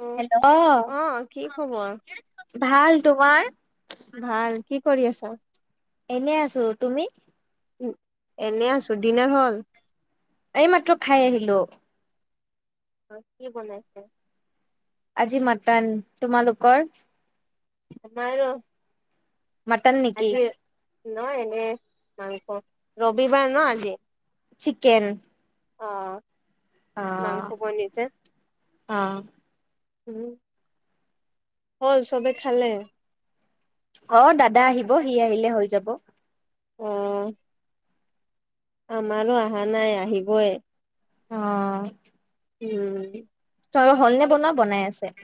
অ hello ভাল। কি খবৰ তোমাৰ? ভাল। কি কৰি আছা? এনেই আছো। তুমি? এনেই আছোঁ। ডিনাৰ হল? এই মাত্ৰ খাই আহিলোঁ। হয় কি বনাইছে? আজি মাটন। তোমালোকৰ? আমাৰো। মাটন নেকি আজি ন এনে মাংস, ৰবিবাৰ ন আজি। চিকেন। অ মাংস বনিছে। অহ। উম। হ'ল চবে খালে? অ দাদা আহিব সি আহিলে হৈ যাব। অহ। আমাৰো অহা নাই আহিবই। অহ। উম। ছৰ হল নে বনোৱা বনাই আছে?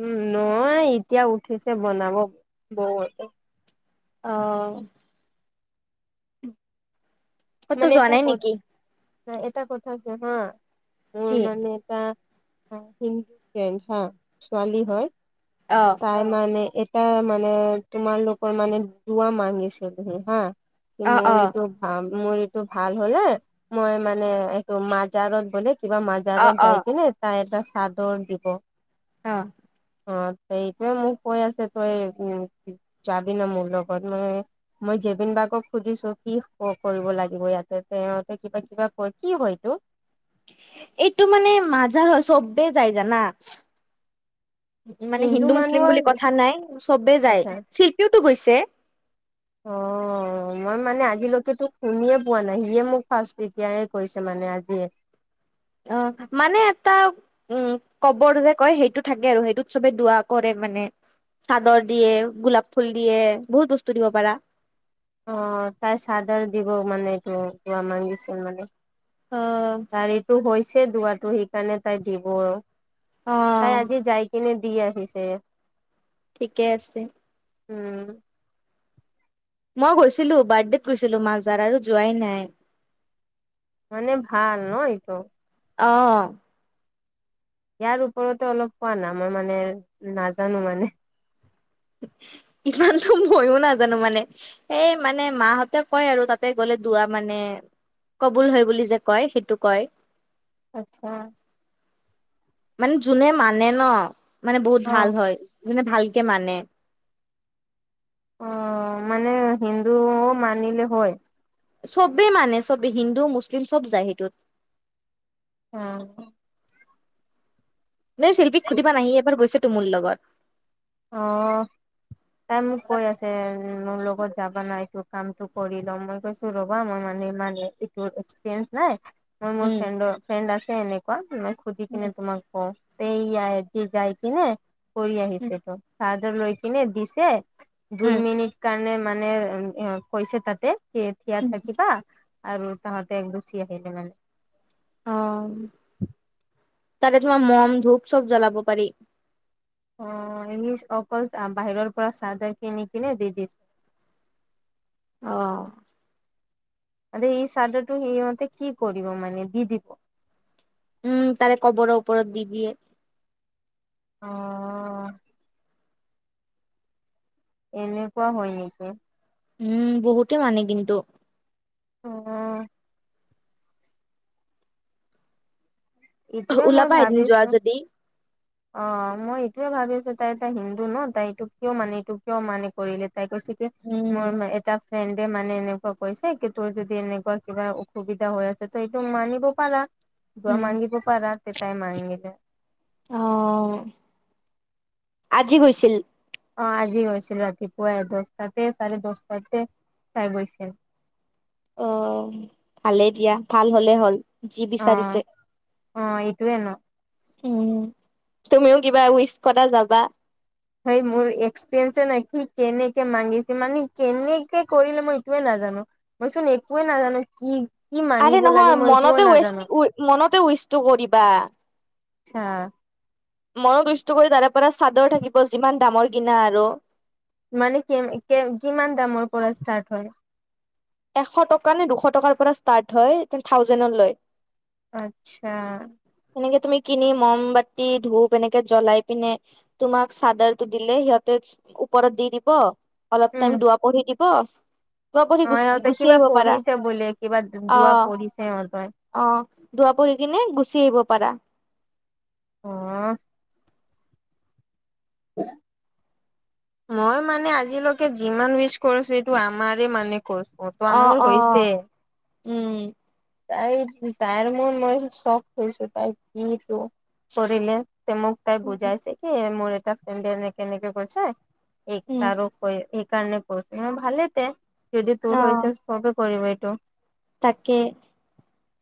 উম নহয়, এতিয়া উঠিছে বনাব বৌহতে। অহ। [unintelligible] ক'তো মানে যোৱা এটা নাই ক নেকি এটা কথা আছে হা মোৰ কি মানে। এটা হিন্দু ফেণ্ড হা ছোৱালী হয়। অহ। তাই মানে এটা মানে তোমালোকৰ মানে দুৱা মাঙিছিলহি হা। অ অ মোৰ এইটো ভাল মোৰটো ভাল হলে মই মানে এইটো মাজাৰত বোলে কিবা মাজ- অ জাৰত অ যাইগিনে তাত এটা চাদৰ দিব। অ অ এইটোৱে মোক কৈ আছে তই যাবি না মোৰ লগ লগত মই মই জেবিন বাৰ্গক সুধিছো কি কওক। কৰিব লাগিব ইয়াতে তেওতে কিবা কিবা কয়, কি হয় এইটো? এইটো মানে মাজাৰ হয়, চবে যাই জানা। মানে হিন্দু মুছলিম বুলি কথা নাই চবে যায়। আচ্ছা শিল্পীওতো গৈছে। অ। অ মই মানে আজিলৈকেতো শুনিয়ে পোৱা নাই। সিয়ে মোক ফাৰ্ষ্ট এতিয়াহে কৈছে মানে আজিয়ে। অ মানে এটা উম কবৰ যে কয় সেইটো থাকে আৰু। সেইটোত চবে দুৱা কৰে মানে। চাদৰ দিয়ে, গোলাপ ফুল দিয়ে, বহুত বস্তু দিব পাৰা। অ তাই চাদৰ দিব মানে এইটো দুৱা মাগিছিল মানে। অ। টো হৈছে দুৱাটো সেইকাৰণে তাই দিব অ তাই আজি যাই এনে দি আহিছে। ঠিকে আছে। উম। মই গৈছিলো বাৰ্থডেত গৈছিলো মাজাৰ আৰু যোৱাই নাই। মানে ভাল ন এইটো। অ। ইয়াৰ ওপৰতে অলপ কোৱা না মই মানে নাজানো মানে। ইমানতো ময়ো নাজানো মানে। এই মানে মাহঁতে কয় আৰু তাতে গ'লে দুৱা মানে কবুল হয় বুলি যে কয় সেইটো কয়। আচ্ছা। মানে যোনে মানে ন, মানে বহুত ভাল অ', হয়। যোনে ভালকে মানে। অ মানে হিন্দুও মানিলে হয়। চবে মানে চবে হিন্দু মুছলিম চব যায় সেইটোত। উম। মি শিল্পীক সুধিবা না। ই এবাৰ গৈছে তো মোৰ লগত। অ। তাই মোক কৈ আছে। মোৰ লগত যাবা না, এইতো কামটো কৰি লম। মই কৈছো ৰ'বা মোৰ মানে ইমান এইটো এক্সপেৰিয়েন্স নাই। মই মোৰ উম। ফ্ৰেণ্ড-ফ্ৰেণ্ড আছে এনেকুৱা, মই খুধি কিনে তোমাক অ সেইয়া হেতি যাইকিনে কৰি আহিছে। চাদৰ লৈ কিনে দিছে, দুই উম মিনিট কাৰণে মানে উ কৈছে তাতে যে এতিয়া থাকিবা। আৰু তাহাঁতে গুচি আহিলে মানে। অ তাতে তোমাৰ মম ধূপ চব জ্বলাব পাৰি। অ এই অকল বাহিৰৰ পৰা চাদৰ কিনি কিনে দি দিছে। অ। আৰু এই চাদৰটো সিহঁতে কি কৰিব মানে দি দিব। উম তাৰে কবৰ ওপৰত দি দিয়ে। অ। এনেকুৱা হয় নেকি? উম বহুতে মানে কিন্তু অ। এইটোয়ে মই ওলাবা এদিন যোৱা ভাবিছো। যদি অ মই এইটোয়ে ভাবিছো তাই এটা হিন্দু ন তাই এইটোক কিয় মানে এইটো কিয় মানে কৰিলে তাই কৈছে কি উম মই এটা ফ্ৰেণ্ডে মানে এনেকুৱা কৈছে কি তোৰ যদি এনেকুৱা কিবা অসুবিধা হৈ আছে তো সেইটো মানিব পাৰা। দুৱা উম মাংগিব পাৰা তো তাই মাংগি চে। অ, আজি গৈছিল। অ আজি হৈছিল। ৰাতিপুৱাই দহটাতে চাৰে দহটাতে চাই গৈছিল। অ অ। ভালেই দিয়া। ভাল হলে হ'ল। যি অ বিচাৰিছে। অ এইটোয়ে ন উম। তুমিও কিবা উইচ কৰা যাবা সেই মোৰ এক্সপিৰিয়েঞ্চে নাই। কি কেনেকে মাগিছে, মানে কেনেকে কৰিলে মই এইটোৱে নাজানো। মই চোন একোৱে নাজানো কি কি আৰে মাগিব নহয় লাগে মই এইটোও মনতে নাজানো ৱেষ্ট, মনতে উইষ্টটো কৰিবা। ছা। মইয়ো কষ্ট কৰি তাৰে পৰা চাদৰ থাকিব যিমান দামৰ কিনা আৰু। মানে কেম কেম, কিমান দামৰ পৰা ষ্টাৰ্ট হয়? এশ টকা নে দুশ টকাৰ পৰা ষ্টাৰ্ট হয়, তে থাউজেণ্ড লৈ। আচ্ছা। সনেকে তুমি কিনি, মমবাতি ধূপ এনেকে জ্বলাই পিনে, তোমাক চাদৰটো দিলে সিহঁতে ওপৰত দি দিব, অলপ উম টাইম দোৱা পঢ়ি দিব, পঢ়ি অ গুচি সিহঁতে গুচি কিবা আহিব পাৰা পঢ়িছে বোলে, কিবা অ যোৱা পঢ়িছে সিহঁতে। অ। দুৱা পৰি কিনে গুচি আহিব পাৰা। অহ। [unintelligible] মই মানে আজিলৈকে যিমান উইচ কৰিছো সেইটো আমাৰে মানে [unintelligible] অ অ, হৈছে উম। তাই, তাইৰ মোৰ মই চখ হৈছো তাই যিটো কৰিলে যে মোক তাই বুজাইছে কি মোৰ এটা ফ্ৰেণ্ড এনেকে এনেকে কৈছে, এইক উম তাৰো কৈ সেইকাৰণে কৈছো। মই ভালেই তে, যদি অ তোৰ হৈছে সবে কৰিব এইটো। তাকে।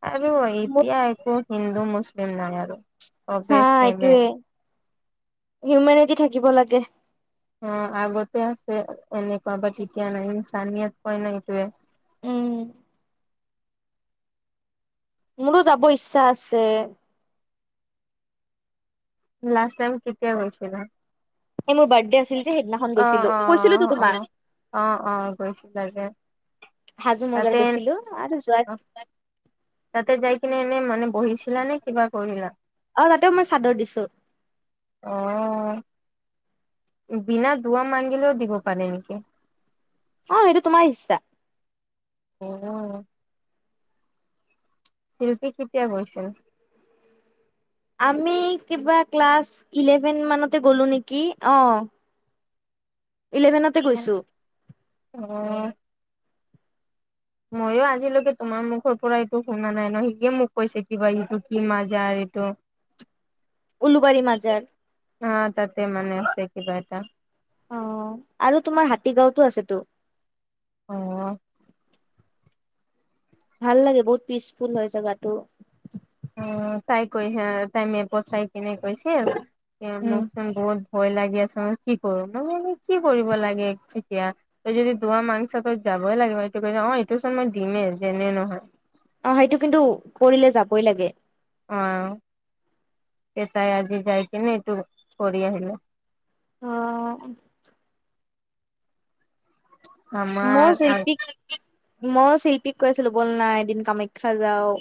আৰু মোৰ এতিয়া একো হিন্দু মুছলিম নাই আৰু। হা চবে চেমে এইটোয়ে। হিউমেনিটি থাকিব লাগে। অ আগতে আছে এনেকুৱা, বাট এতিয়া নাই ইন্চানিয়াত কয় না এইটোৱে। উম। মোৰো যাব ইচ্ছা আছে। লাষ্ট টাইম কেতিয়া গৈছিলা? এই মোৰ বাৰ্থডে আছিল যে সেইদিনাখন অ গৈছিলো। অ কৈছিলো তো তোমাক। অ অ অ গৈছিলা যে হাজো মজাৰ তাতে গৈছিলো, আৰু যোৱাত তাতে যাইকেনে এনে মানে বহিছিলা নে কিবা কৰিলা? অ তাতেও মই চাদৰ দিছোঁ। অ। বিনা দুৱা মাঙ্গিলেও দিব পাৰে নেকি? অ, এইটো তোমাৰ ইচ্ছা। অ। শিল্পী কেতিয়া গৈছিল? আমি কিবা ক্লাছ ইলেভেন মানতে গ'লো নেকি, অ। ইলেভেনতে গৈছোঁ। অ। মইয়ো আজিলৈকে তোমাৰ মুখৰ পৰা এইটো শুনা নাই ন। সিতিয়ে মোক কৈছে কিবা এইটো কি মাজাৰ এইটো উলুবাৰী মাজাৰ। অ তাতে মানে আছে কিবা এটা। অ, আৰু তোমাৰ হাতী গাঁওটো আছেটো। অ, ভাল লাগে, বহুত পিচফুল হয় জেগাটো। অ তাই কৈছে, তাই মে পত চাই কেনে কৈছিল, উম মোক বহুত ভয় লাগি আছে মই কি কৰো। মই বোলো কি কৰিব লাগে এতিয়া। তই যদি দুৱা মাংচ তই যাবই লাগিব এইটো কৈনে অ এইটো চোন মই দিমেই যেনে নহয়। অ সেইটো কিন্তু কৰিলে যাবই লাগে। অ এ তাই আজি যাই কেনে এইটো কৰি আহিলে। অ। মও আমাৰ চিল্পিক মই চিল্পিক কৈ আছিলো বল না এদিন কামাখ্যা যাওঁ।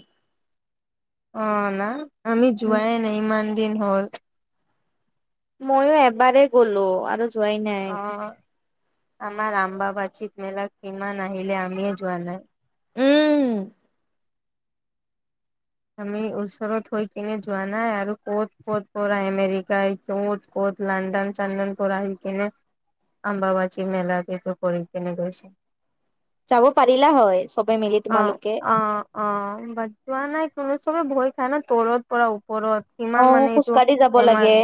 অ না? আমি উম যোৱাই নাই ইমান দিন হ'ল। মইয়ো এবাৰেই গ'লো আৰু যোৱাই নাই। অ, আমাৰ ৰাম বাবা চিত মেলাত কিমান আহিলে আমিয়ে যোৱা নাই। উম। আমি ওচৰত হৈ কিনে যোৱা নাই আৰু ক'ত ক'ত পৰা এমেৰিকাই [unintelligible] ক'ত লণ্ডন চন্দন পৰা আহি কিনে অম্বুবাচী মেলাত এইটো কৰি কেনে গৈছে। যাব পাৰিলা হয়। চবে মিলি তোমালোকে অ-অ-অ বাট যোৱা নাই কোনো। চবে ভয় খায় ন তলৰ পৰা ওপৰত অ ইমান মানে এইটো খোজকাঢ়ি যাব এমাৰ লাগে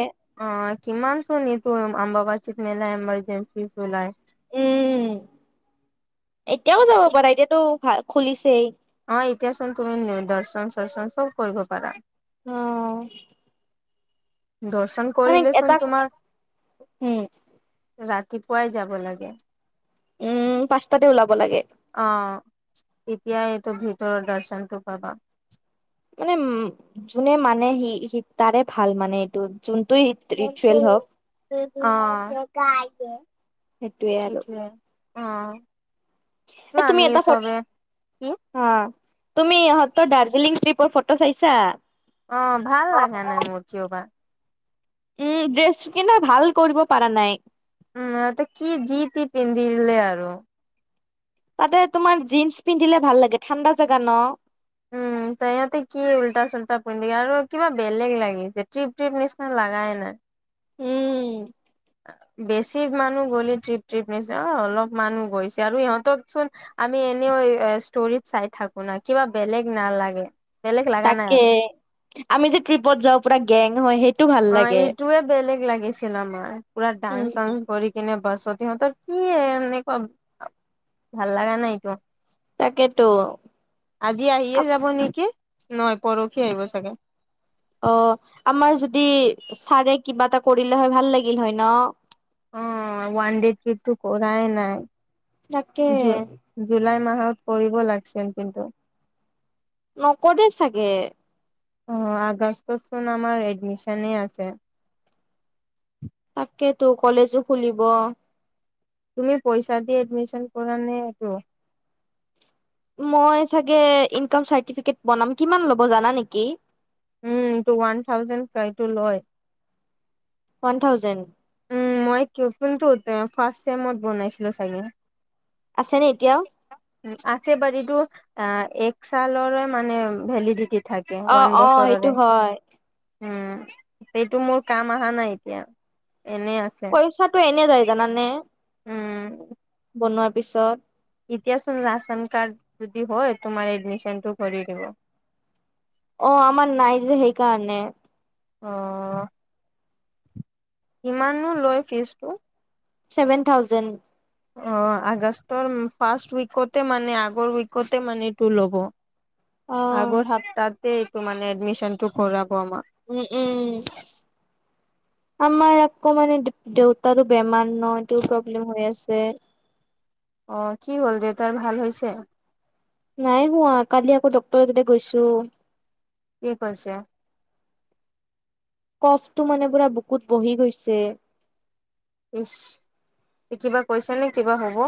অ কিমান চোনি তো [unintelligible] মেলাই এমাৰজেনচি চলাই উম, এতিয়াও যাব পাৰা। এতিয়াতো ভাল খুলিছেই। অ এতিয়া চোন তুমি নি দৰচন চৰচন চব কৰিব পাৰা। অ। দৰচন মানে কৰিলেচোন এটা তোমাৰ উম ৰাতিপুৱাই যাব লাগে। উম, পাঁচটাতে ওলাব লাগে। অ, তেতিয়া এইটো ভিতৰৰ দৰচনটো পাবা। মানে উম যোনে মানে সি তাৰে ভাল মানে এইটো যোনটোই ৰিচুৱেল হওক অ, সেইটোয়ে সেইটোৱে আৰু অ। তো এ তুমি আমি এটা ফ চবে কি অ তুমি ইহঁতৰ দাৰ্জিলিং ট্ৰিপৰ ফটো চাইছা? অ ভাল লাগা নাই মোৰ কিয় বা? উম, ড্ৰেছ কিন্তু ভাল কৰিব পাৰা নাই। উম, সিহঁতে কি যি দি পিন্ধি গলে আৰু। তাতে তোমাৰ জীন্স পিন্ধিলে ভাল লাগে, ঠাণ্ডা জাগা ন। [inaudible] ইহঁতে কি উল্টা চোল্টা পিন্ধি আৰু কিবা বেলেগ লাগিছে। ট্ৰিপ-ট্ৰিপ নিচিনা লাগাই নাই। উম। বেছি মানুহ গ'লে ট্ৰিপ ট্ৰিপ নিচিনা, অ অলপ মানুহ গৈছে আৰু ইহঁতক চোন আমি এনেও এ ষ্টৰিত চাই থাকো না কিবা বেলেগ নালাগে। বেলেগ লগা নাই আৰু তাকেই আমি যে ট্ৰিপত যাওঁ পুৰা গেং হয়। সেই অ এইটোৱে বেলেগ লাগিছিল আমাৰ। পুৰা ডান্স চান্স কৰি কৰি কিনে বাছত। ইহঁতৰ কি এনেকুৱা ভাল লগা নাইতো। তাকেটো। আজি আহিয়ে যাব নেকি? নহয় পৰসি আহিব চাগে। অ, আমাৰ যদি ছাৰে কিবা এটা কৰিলে হয় ভাল লাগিল হয় ন। অ, ওৱান ডেৰ ট্ৰিপটো কৰাই নাই। তাকে। জু জুলাই মাহত কৰিব লাগছিল কিন্তু। নকৰে চাগে। অ আগষ্টত চোন আমাৰ এডমিচনে আছে। তাকেটো, কলেজো খুলিব। তুমি পইচা দি এডমিচন কৰা নে এইটো? মই চাগে ইনকাম চাৰ্টিফিকেট বনাম কিমান ল'ব জানা নেকি? উমটো ওৱান থাউজেণ্ড এইটো লয়। One thousand. উম মই ক্লো কিন্তু ফাৰ্ষ্ট চেমত বনাইছিলো চাগে। আছে নে এতিয়া? আছে বাৰীটো আ এক চালৰে মানে ভেলিডিটি। থাকে অ ওৱান অ সেইটো বছৰৰে। হয়। উম, সেইটো মোৰ কাম আহা নাই এতিয়া। এনেই আছ পইচাটো এনে যায় জানানে? উম, বনোৱাৰ পিছত। এতিয়া চোন ৰাচন কাৰ্ড যদি হয়, তোমাৰ এডমিচনটো কৰি দিব। অ আমাৰ নাই যে সেইকাৰণে। অ। কিমানো লয় ফিজটো? Seven thousand. অ আগষ্টৰ ফাৰ্ষ্ট উইকতে মানে আগৰ উইকতে মানে এইটো ল'ব। অ আগৰ সাপ্তাহতে এইটো মানে এডমিশ্যনটো কৰাব আমাক। উম উম, আমাৰ আকৌ মানে দেউতাৰো বেমাৰ নটোও প্ৰব্লেম হৈ আছে। অ কি হ'ল দেউতাৰ ভাল হৈছে? নাই হোৱা, কালি আকৌ ডক্টৰ ততে গৈছো। কি হৈছে? কফটো মানে পুৰা বুকুত বহি গৈছে। ইচ, কিবা কৈছে নে? কিবা হ'ব?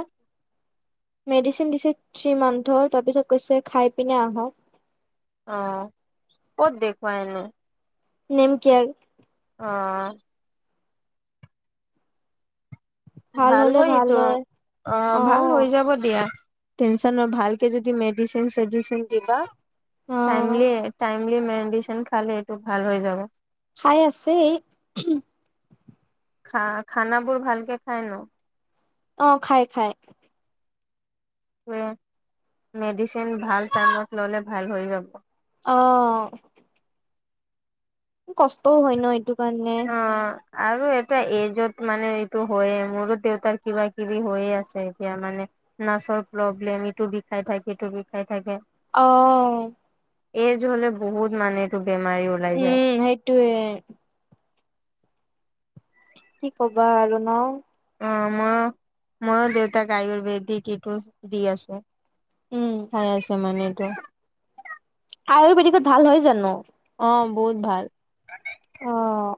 মেডিচিন দিছে থ্ৰী মান্থৰ, তাৰ পিছত কৈছে খাই পিনে আহক। অ ক'ত দেখুৱা হেনো? Name care. অ। ভাল হয় এইটো, অ ভাল হৈ যাব দিয়া। টেনচন ন ভালকে যদি মেডিচিন- চেদিচিন দিবা, অ', টাইমলী এ টাইম লি মেডিচন খালে এইটো ভাল হৈ যাব। খাই আছেই উহুম। খা - খানাবোৰ ভালকে খায় ন? অ খাই খাই। মে মেডিচিন ভাল টাইমত ললে ভাল হৈ যাব। অ। কষ্টও হয় ন এইটো কাৰণে। অ আৰু এটা এইজত মানে এইটো হয়ে, মোৰো দেউতাৰ কিবা - কিবি হৈয়ে আছে এতিয়া মানে। নাচৰ প্ৰব্লেম ইটো বিষাই থাকে, ইটো বিষাই থাকে। অ। এইজ হলে বহুত মানুহটো বেমাৰী ওলাই যায়। টোৱে কি কবা আৰু নাৰ? অ মই, ময়ো দেউতাক আয়ুৰ্বেদিক ইটো দি আছোঁ। উম, হয় আছে মানেটো। আয়ুৰ্বেদিকত ভাল হয় জানো? অ বহুত ভাল। অঁ।